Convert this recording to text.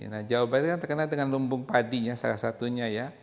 nah jawa barat kan terkenal dengan lumbung padi ya salah satunya ya